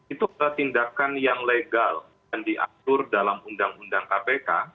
itu tindakan yang legal dan diatur dalam undang undang kpk